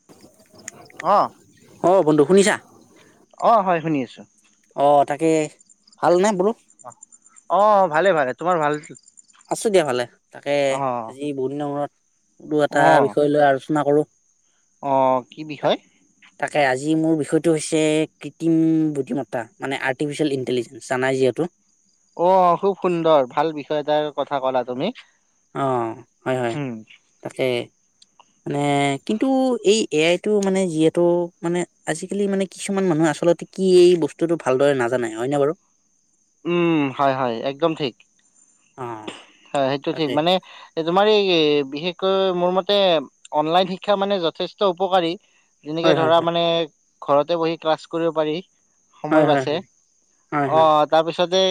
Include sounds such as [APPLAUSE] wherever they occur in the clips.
[INAUDIBLE] অ'। অ', বন্ধু শুনিছা? অ', হয় শুনি আছো। অঁ, তাকেই ভালনে বোলো? অ', অ' ভালে ভালে, তোমাৰ ভাল? আছো দিয়া ভালে, তাকে অ', আজি বহুত দিনৰ মূৰত বোলো এটা অ', বিষয় লৈ আলোচনা কৰো। অ', কি তাক বিষয়? তাকে, আজি মোৰ বিষয়টো হৈছে কৃত্ৰিম বুদ্ধিমত্তা মানে আৰ্টিফিচিয়েল ইণ্টেলিজেঞ্চ। যানাই যিহেতু অ', খুব সুন্দৰ, ভাল বিষয় এটাৰ কথা ক'লা তুমি। অঁ, হয় হয় উম, তাকে মানে কিন্তু এই এ আই টো মানে যিহেতু মানে আজিকালি মানে কিছুমান মানুহ আচলতে কি এই বস্তুটো ভালদৰে নাজানাই হয় নে বাৰু? উম, হয় হয় একদম ঠিক অ হয়। সেইটো ঠিক তাকে মানে এই তোমাৰ এই বিশেষকৈ মোৰ মতে অনলাইন শিক্ষা মানে যথেষ্ট উপকাৰী। যেনেকৈ হয় হয় ধৰা হয় মানে ঘৰতে বহি ক্লাছ কৰিব পাৰি। হয় সময় হয় বাচছে, হয় হয় হয় অ', তাৰপিছতে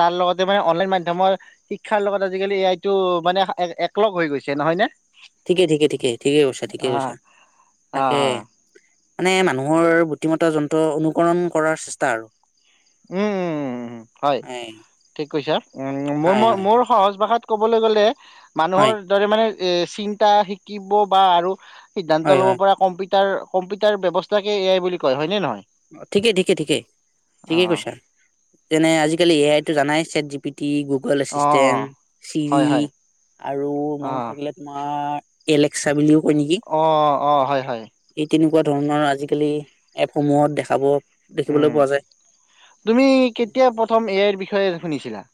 তাৰ লগতে মানে অনলাইন মাধ্যমৰ শিক্ষাৰ লগত আজিকালি এ আই টো মানে একলগ হৈ গৈছে নহয় নে? ঠিকেই, ঠিকেই, ঠিকেই, ঠিকেই কৈছা, ঠিকেই অ', কৈছা, তাকে। অ', অ'। মানে মানুহৰ বুদ্ধিমাত্ৰা যোনটো অনুকৰণ কৰাৰ চেষ্টা আৰু উম, উম, উম হয় ঠিক কৈছা, উম মোৰ হয় হয় মোৰ সহজ ভাষাত ক'বলৈ গ'লে হয় মানুহৰ দৰে মানে চিন্তা শিকিব বা আৰু হয় সিদ্ধান্ত ল'ব হয় পৰা কম্পিউটাৰ কম্পিউটাৰ ব্যৱস্থাকে কে এ আই বুলি কয় হয় নে নহয়? ঠিকেই, ঠিকেই, ঠিকেই, ঠিকেই, অ ঠিকেই কৈছা। যেনে আজিকালি এ আই টো জানাই chat G P T Google অ অ অ এচিষ্টেণ্ট, ছিৰি হয় হয় আৰু অ মনত থাকিলে তোমাৰ এলেক্সা বুলিও কয় নেকি? অ অ হয় হয় এই তেনেকুৱা ধৰণৰ আজিকালি এপসমূহত দেখাব দেখিবলৈ উম পোৱা যায়। তুমি কেতিয়া প্ৰথম এ আইৰ বিষয়ে শুনিছিলা?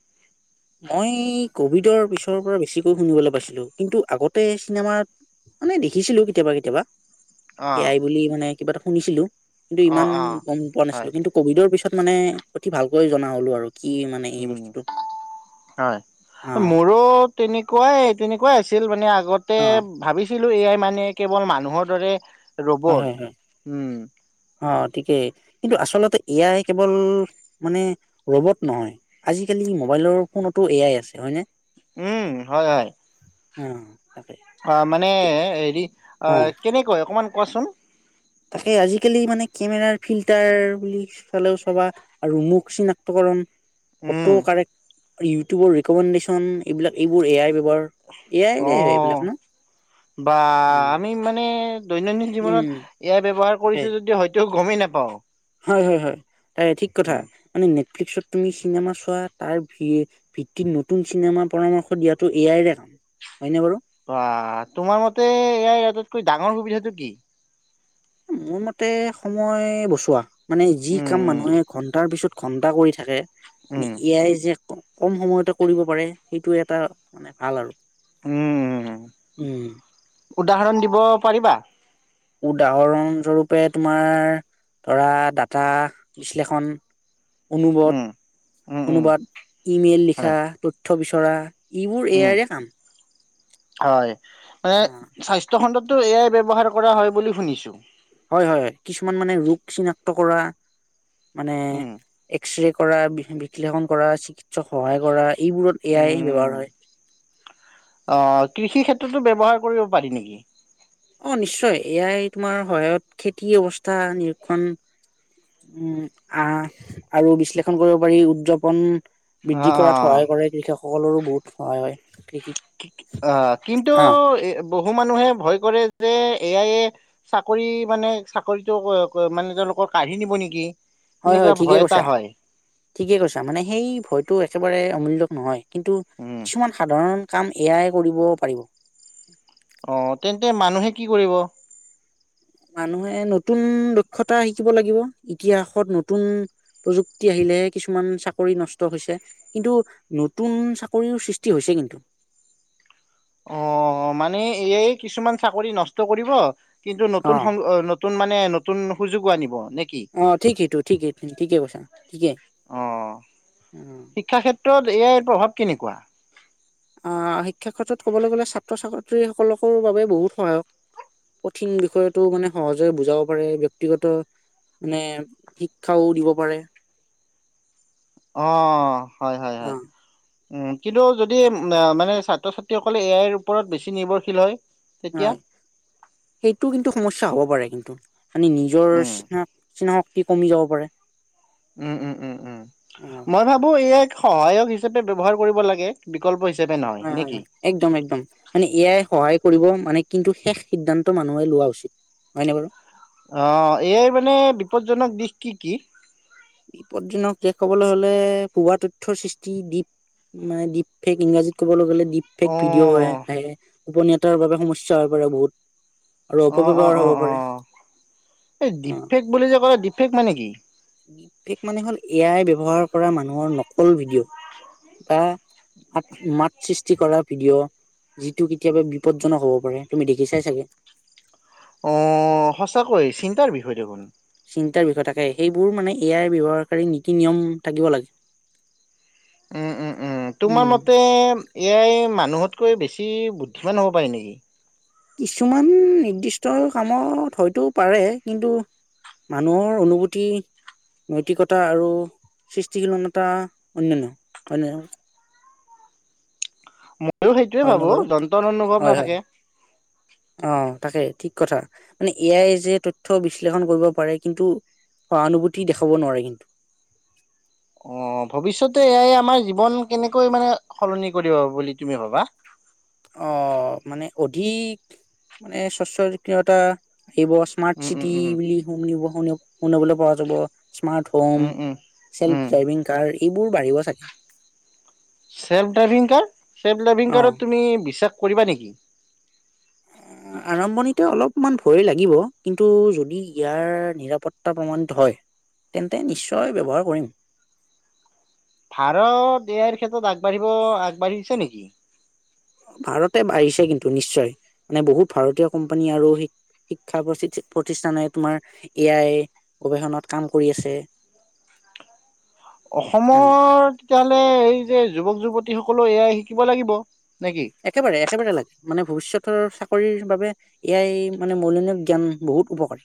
মই ক'ভিডৰ পিছৰ পৰা বেছিকৈ শুনিবলৈ পাইছিলো। কিন্তু আগতে চিনেমাত আমি দেখিছিলো কেতিয়াবা কেতিয়াবা। অ এ আই বুলি মানে কিবা এটা শুনিছিলো, কিন্তু অ ইমান অ গ'ম পোৱা নাছিলো। হয় কিন্তু ক'ভিডৰ পিছত মানে, অতি ভালকৈ জনা হ'লো আৰু, কি মান উম, হয়। অ মোৰো তেনেকুৱাই, তেনেকুৱাই আছিল মানে আগতে অ ভাবি ছিলো এ আই মানে কেৱল মানুহৰ দৰে হয়, ৰবট হয়, হয়, উম, অ', ঠিকেই। কিন্তু আচলতে এ আই কেৱল মানে ৰ'বট নহয়। আজিকালি মোবাইলৰ ফোনতো এ আই আছে হয় নে? উম, হয় হয়। উম। অ', মানে হেৰি অ' কেনেকৈ অকণমান কোৱাচোন? তাকে। আজিকালি মানে কেমেৰাৰ ফিল্টাৰ বুলি চালেও চাবা আৰু মুখ চিনাক্তকৰণ উম। অটো কাৰেক্ট, ইউটিউবৰ ৰেকমেণ্ডেশ্যন এইবিলাক এইবোৰ এ আই ব্যৱহাৰ এয়াইৰে এইবিলাক অ', ন বা উম আমি মানে দৈনন্দিন উম, জীৱনত এ আই ব্যৱহাৰ তাকে কৰিছো যদিও হয়তো গ'মেই নাপাওঁ। হয় হয় হয় তাৰে ঠিক কথা মানে নেটফ্লিক্সত তুমি চিনেমা চোৱা তাৰ ভি ভিত্তিত নতুন চিনেমাৰ পৰামৰ্শ দিয়াটো এ আইৰে নহয় নে বাৰু। ৱাহ তোমাৰ মতে এ আই আটাইতকৈ ডাঙৰ সুবিধাটো কি? মোৰ মতে সময় বচোৱা, মানে যি উম, কাম উম, মানুহে ঘন্টাৰ পিছত ঘণ্টা কৰি থাকে, উম, এ আই যে ক'ম সময়তে কৰিব পাৰে সেইটো এটা মানে ভাল আৰু, উম, উম। উম। উদাহৰণ দিব পাৰিবা। উদাহৰণ স্বৰূপে তোমাৰ ধৰা ডাটা বিশ্লেষণ অনুবত উম, উম, উম, অনুবাদ ই-মেইল হয়, লিখা তথ্য বিচৰা এইবোৰ এ উম আইৰে কাম। হয় মানে অ'। চাইজ তহঁততো এ আই ব্যৱহাৰ কৰা হয় বুলি শুনিছো। হয় হয় কিছুমান মানে মোক চিনাক্ত কৰা মানে উম, এক্সৰে কৰা বিশ্লেষণ কৰা চিকিৎসাত সহায় কৰা এইবোৰত এ আই ব্যৱহাৰ উম। হয়। অ কৃষি ক্ষেত্ৰতো ব্যৱহাৰ কৰিব পাৰি নেকি? অ নিশ্চয় এ আই তোমাৰ সহায়ত খেতি অৱস্থা নিৰীক্ষণ উম আহ আৰু বিশ্লেষণ কৰিব পাৰি উদযাপন বৃদ্ধি অ', কৰাত অ'। সহায় কৰে কৃষকসকলৰো বহুত সহায় হয়, কৃষিক আ কিন্তু অ এ বহু মানুহে ভয় কৰে যে এ আইয়ে চাকৰি মানে চাকৰিটো মানে তেওঁলোকৰ কাঢ়ি নিব নেকি হয় হয় এনেকুৱা ঠিকে ভয় এটা কৈছা, হয়, ঠিকে কৈছা মানে সেই ভয়তো একেবাৰে অমূল্যক নহয় কিন্তু উম কিছুমান সাধাৰণ কাম এ আইয়ে কৰিব পাৰিব। অ তেন্তে মানুহে কি কৰিব? মানুহে নতুন দক্ষতা শিকিব লাগিব, ইতিহাসত নতুন প্ৰযুক্তি আহিলে কিছুমান চাকৰি নষ্ট হৈছে। কিন্তু নতুন চাকৰিও সৃষ্টি হৈছে কিন্তু। অ মানে এ আই কিছুমান চাকৰি নষ্ট কৰিব, কিন্তু নতুন সং অ ন নতুন মানে নতুন সুযোগো আনিব নে কি? অ ঠিকেইতো ঠিকেই ঠিকে কৈছা ঠিকেই, অ। তত এ আইৰ প্ৰভাৱ কেনেকোৱা? আহ শিক্ষা ক্ষেত্ৰত ক'বলৈ গ'লে ছাত্ৰ ছাত্ৰীসকলৰ বাবে বহুত সহায়ক। কঠিন বিষয়টো মানে সহজে বুজাব পাৰে ব্যক্তিগত মানে, শিক্ষাও দিব পাৰে। অ হয় হয় অ হয়। উ কিন্তু যদি মানে ছাত্ৰ ছাত্ৰীসকলে এ আইৰ ওপৰত বেছি নিৰ্ভৰশীল হয় তেতিয়া হয় সেইটো কিন্তু সমস্যয়া হ'ব পাৰে কিন্তু। আমি নিজৰ উম। স্নক স্নক্তি কমি যাব পাৰে। উম উম উম উম, অ মই ভাবো এ আইক সহায়ক হিচাপে ব্যৱহাৰ কৰিব লাগে। বিকল্প হিচাপে হয় নহয় নে হয় কি। হয় একদম একদম মানে এ আই সহায় কৰিব মানে কিন্তু শেষ সিদ্ধান্ত মানুহে লোৱা উচিত। হয়নে বাৰু। অ এ আই মানে বিপদজনক দিশ কি কি? বিপদ দিনৰ শেষ হবলৈ হলে পুৱা তথ্যৰ সৃষ্টি দ্বীপ মানে দ্বীপ ফেক ইংৰাজীত ক'বলৈ গ'লে দ্বীপ। ভিডিঅ' আহি অ' থাকে, গুপনীয়তা বাবে সমস্যা হৈ পৰে বহুত। আৰু অ', অ', অপব্যৱহাৰ অ', হব পাৰে, অ'। এই অঁ। ডিফেক্ট বুলি যে কলে ডিফে্ট মানে কি? দ্বীপ মানে হল এ আই ব্যৱহাৰ কৰা মানুহৰ নকল ভিডিঅ'। আ- মাত, মাত সৃষ্টি কৰা ভিডিঅ'। যিটো কেতিয়াবা বিপদজনক হ'ব পাৰে, তুমি দেখিছাই চাগে। অঁ, সঁচাকৈ চিন্তাৰ বিষয় দেখোন। চিন্তাৰ বিষয় থাকে, সেইবোৰ মানে এ আই ব্যৱহাৰকাৰী নীতি নিয়ম থাকিব লাগে। উম, উম। তোমাৰ মতে- এ আইয়ে মানুহতকৈ বেছি বুদ্ধিমান হ'ব পাৰে নেকি? কিছুমান নিৰ্দিষ্ট কামত হয়তো পাৰে। কিন্তু- মানুহৰ অনুভূতি- নৈতিকতা আৰু সৃষ্টিশীলনতা অন্যান্য, হয়নে কোৱা চোন? [INAUDIBLE] মইয়ো সেইটোয়ে হয়নে ভাবো বাৰু [UNINTELLIGIBLE] নাথাকে। অঁ, তাকে ঠিক কথা মানে এ আইয়ে যে তথ্য বিশ্লেষণ কৰিব পাৰে। কিন্তু- সহানুভূতি দেখাব নোৱাৰে কিন্তু। অঁ, ভৱিষ্যতে এ আইয়ে আমাৰ জীৱন কেনেকৈ মানে সলনি কৰিব বুলি তুমি ভাবা? অঁ, মানে অধিক মানে, [UNINTELLIGIBLE] smart um, um, city um, বুলি শু শুনিবলৈ পোৱা যাব। Smart- home, um, um. Self um, driving car এইবোৰ বাঢ়িব চাগে। Self driving car! Self driving অ কাৰক তুমি বিশ্বাস কৰিবা নেকি? আৰম্ভণিতে অলপমান ভয় লাগিব, কিন্তু যদি ইয়াৰ নিৰাপত্তা প্ৰমাণিত হয়- তেন্তে নিশ্চয় ব্যৱহাৰ কৰিম। ভাৰত এ-আইৰ ক্ষেত্ৰত আগবাঢ়িব, আগবাঢ়িছে নেকি? ভাৰতে বাঢ়িছে কিন্তু নিশ্চয় মানে বহুত ভাৰতীয় কোম্পানী আৰু - শিক্ষা প্ৰতি প্ৰতিষ্ঠানে তোমাৰ এআই গৱেষণাত কাম কৰি আছে। [INAUDIBLE] অসমৰ অ তেতিয়াহ'লে এই যে যুৱক যুৱতীসকলেও এ আই শিকিব লাগিব, নে কি? একেবাৰে একেবাৰেই লাগে, মানে ভৱিষ্যতৰ চাকৰিৰ বাবে- এ আই মানে মৌলিনীয় জ্ঞান বহুত উপকাৰী।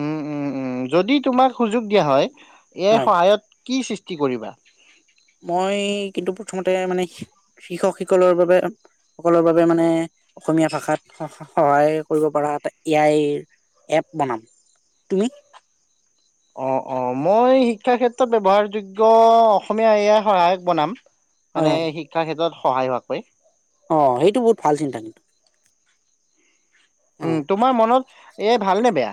উম, উম, উম। যদি তোমাক সুযোগ দিয়া হয় এ আই হয় সহায়ত কি সৃ- সৃষ্টি কৰিবা? মই কিন্তু প্ৰথমতে মানে কৃষকসকলৰ বাবে - সকলৰ বাবে মানে অসমীয়া ভাষাত সহায় কৰিব পৰা এটা এ আইৰ- এপ বনাম। তুমি? অঁ, অঁ। মই শিক্ষাৰ ক্ষেত্ৰত ব্যৱহাৰযোগ্য অসমীয়া এ আই সহায়ক বনাম। হয় মানে হয় শিক্ষাৰ ক্ষেত্ৰত সহায় হোৱাকৈ। অঁ, সেইটো বহুত ভাল চিন্তা কিন্তু। অ তোমাৰ মনত এ আই ভালনে বেয়া?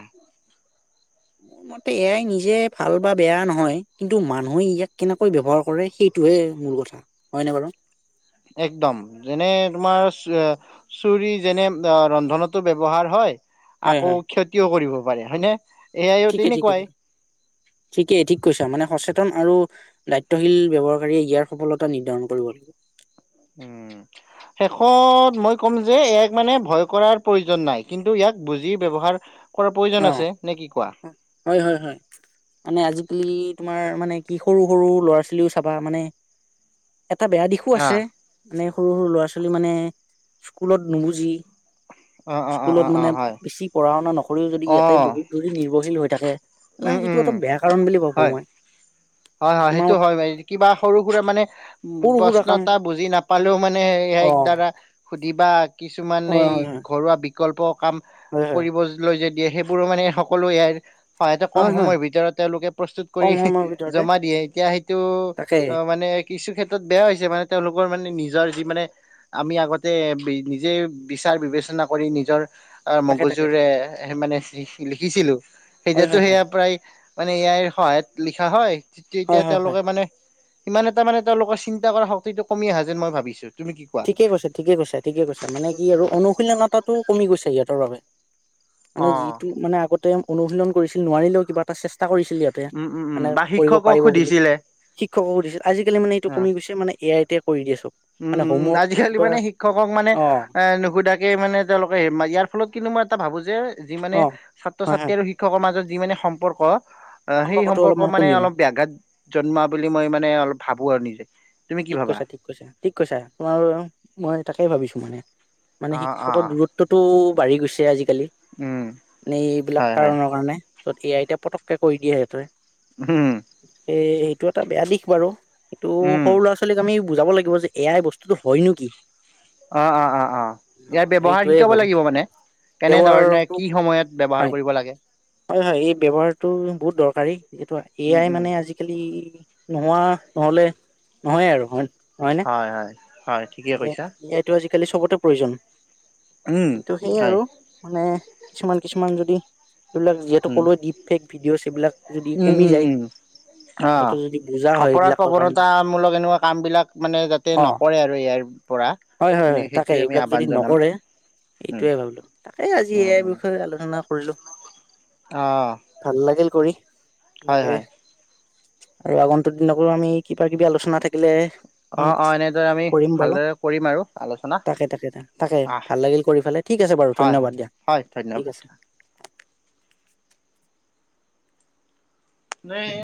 [UNINTELLIGIBLE] এ আই নিজে ভাল বা বেয়া নহয়, কিন্তু মানুহে ইয়াক কেনেকৈ ব্যৱহাৰ কৰে সেইটোহে মূল কথা। হয়নে বাৰু? একদম। যেনে তোমাৰ- ছুৰী যেনে ৰন্ধনতো ব্যৱহাৰ হয়, হয় আকৌ হয় ক্ষতিও কৰিব পাৰে, হয়নে? এয়াইও তেনেকুৱাই ঠিকেই-ঠিকেই-ঠিক ঠিকেই ঠিক কৈছা মানে সচেতন আৰু দায়িত্বশীল ব্যৱহাৰকাৰীয়ে ইয়াৰ সফলতা নিৰ্ধাৰণ কৰিব লাগিব। উম। শেষত মই ক'ম যে এ আইক মানে ভয় কৰাৰ প্ৰয়োজন নাই কিন্তু ইয়াক বুজি ব্যৱহাৰ কৰাৰ প্ৰয়োজন আছে, নে কি কোৱা? হয়-হয়-হয়। মানে আজিকালি তোমাৰ মানে কি সৰু সৰু ল'ৰা-ছোৱালীও চাবা মানে এটা বেয়া দিশো আছে, আহ, মানে সৰু সৰু ল'ৰা ছোৱালী মানে স্কুলত নুবুজি অ অ অ স্কুলত অ অ মানে হয় বেছি পঢ়া-শুনা নকৰি যদি অ ইয়াতে বহুত নিৰ্ভৰশল হৈ থাকে। উম উম সেইটো এটা বেয়া কাৰণ বুলি ভাবো হয় মই। হয় হয় তোমাৰ সেইটো হয় কিবা সৰু সুৰা মানে সৰু সুৰা প্ৰশ্ন কাম এটা বুজি নাপালেও মানে এ আই অ দ্বাৰা সুধি বা কিছুমান অ এই হয় ঘৰুৱা বিকল্প কাম হয় হয় কৰিব লয় যদি, সেইবোৰো মানে সকলো এ আই সহায়তে হয় কম হয় হয় সময়ৰ ভিতৰত তেওঁলোকে প্ৰস্তুত কম কৰি সময়ৰ ভিতৰতে জমা দিয়ে এতিয়া সেইটো তাকে অ মানে কিছু ক্ষেত্ৰত বেয়া হৈছে মানে তেওঁলোকৰ মানে নিজৰ যি মানে আমি আগতে নিজে বিচাৰ বিবেচনা কৰি নিজৰ তাকে তাকে মগজুৰে তাকে লিখিছিলোঁ সেই মানে লিখিছিলো হয় এতিয়াটো হয় হয় সেয়া প্ৰায় মানে এ আইৰ সহায়ত লিখা হয়, হয় তেতিয়া হয় হয় তেওঁলোকে মানে ইমান এটা মানে তেওঁলোকৰ চিন্তা কৰা শক্তিটো কমি আহা যেন মই ভাবিছো। তুমি কি কোৱা? ঠিকে কৈছে, ঠিকে কৈছে, ঠিকে কৈছে, মানে কি আৰু অনুশীলনতাটো কমি গৈছে সিহঁতৰ বাবে। মানে অ যিটো আগতে অনুশীলন কৰিছিল নোৱাৰিলেও কিবা এটা চেষ্টা কৰিছিল সিহঁতে, উম উম উম মানে বা কৰিব শিক্ষকক পাৰিব বুলি। সুধিছিলে। শিক্ষকো সুধিছিল আজিকালি মানে এইটো অ কমি গৈছে মানে এ আই তে কৰি দিয়ে চব। উম মানে উম উম হোমৱৰ্ক আজিকালি কিবা মানে শিক্ষকক মানে অ এ নুসুধাকে মানে তেওঁলোকে ইয়াৰ ফলত কিন্তু মই এটা ভাবো যে, যি মানে অ হয় ছাত্ৰ-ছাত্ৰী হয় আৰু শিক্ষকৰ মাজত যি মানে সম্পৰ্ক আহ সেই সম্পৰ্কটো সম্পৰ্ক অলপমান মানে কমিব অলপ বাঘাত জন্মা বুলি মই মানে অলপ ভাবো আৰু নিজে। তুমি কি ঠিক ভাবা? কৈছা, ঠিক কৈছা, ঠিক কৈছা তোমাৰ মই তাকে ভাবিছো মানে মানে অ অ শিক্ষকৰ দূৰত্ব তো বাঢ়ি গৈছে আজিকালি উম এনেইবিলাক হয় হয় কাৰণৰ কাৰণে। য'ত আই এতিয়া পটককে কৰি দিয়ে সেই তোৱে। হম। এ এইটো এটা বেয়া দিশ বাৰু এইটো উম সৰু ল'ৰা-ছোৱালীক আমি বুজাব লাগিব যে এয়াই বস্ত হয় নোকি। অ-অ-অ ইয়াৰ ব্যৱহাৰ সেইটোয়ে শিকাব ভাবো লাগিব মানে। কেনেধৰণে ব্যৱহাৰটো কি সময়ত হয় ব্যৱহাৰ কৰিব লাগে। হয় হয় এই ব্যৱহাৰটো বহুত দৰকাৰী যিহেতু এ উম, আই উম, মানে আজি কালি নোহোৱা নহ'লে নহয়ে আৰু হয় নে হয়, হয়। হয় ঠিকে এ কৈছা এইটো আজিকালি চবতে প্ৰয়োজন। উম। কিন্তু সেই হয় মানে কিছুমান কিছুমান যদি এবিলাক যিহেতু উম, কলোৱেই ডিপ ফেক ভিডিঅ' এইবিলাক যদি উম, কমি উম, যায় উম, অ'। সেইটো যদি বুজা হয় অপৰাধ এইবিলাকৰ কাৰণে। প্ৰৱণতামূলক এনেকুৱা কাম বিলাক মানে যা তে অ নকৰে আৰু ইয়াৰ পৰা, হয় তেনে সেইটোৱে আমি আহ্বান জনাম। উম, এইটোৱেই ভালটো এই আজি এ উম, আইৰ উম, বিষয়ে আলোচনা কৰিলো। অ', ভাল লাগিল কৰি। হয়, তাকেই হয়। আৰু আগন্তু দিনতো আমি কিবা কিবি আলোচনা থাকিলে উম অ', অ', এনেদৰে আমি কৰিম বাৰু ভালদৰে কৰিম আৰু আলোচনা তাকে তাকে তাকে তাকেই আহ ভাল লাগিল কৰি ফালে। ঠিক আছে বাৰু হয়, হয়, ধন্যবাদ দিয়া। হয় ঠিক ধন্যবাদ। আছে। [INAUDIBLE]